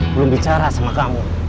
belum bicara sama kamu